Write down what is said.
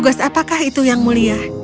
dan apakah itu tugas yang mulia